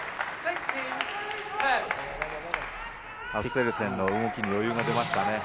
アクセルセンの動きに余裕が出ましたね。